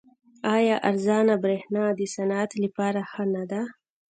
آیا ارزانه بریښنا د صنعت لپاره ښه نه ده؟